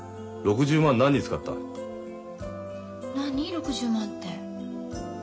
６０万って。